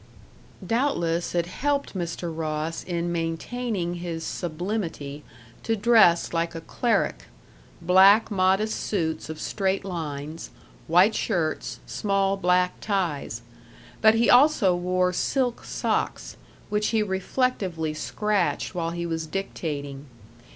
Doubtless it helped Mr. Ross in maintaining his sublimity to dress like a cleric black, modest suits of straight lines, white shirts, small, black ties. But he also wore silk socks, which he reflectively scratched while he was dictating.